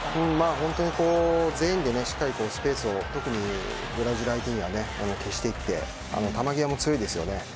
本当に全員でしっかりスペースをブラジル相手には消していって球際も強いですね。